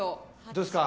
どうですか？